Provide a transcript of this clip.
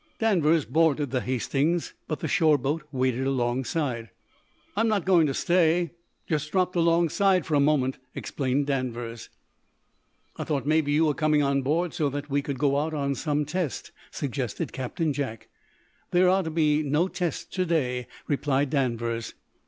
Danvers boarded the "Hastings," but the shore boat waited alongside. "I'm not going to stay. Just dropped alongside for a moment," explained Danvers. "I thought maybe you were coming on board so that we could go out on some test," suggested Captain Jack. "There are to be no tests to day," replied Danvers.